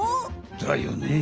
だよね。